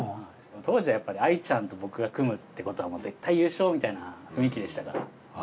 当時はやっぱり愛ちゃんと僕が組むっていうことは絶対優勝みたいな雰囲気でしたから。